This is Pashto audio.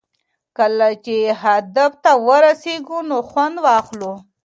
کله چې هدف ته ورسېږئ نو خوند واخلئ.